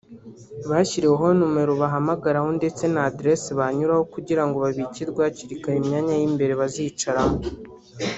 bashyiriweho numero bahamagaraho ndetse na Address banyuraho kugira ngo babikirwe hakiri kare imyanya y'imbere bazicaramo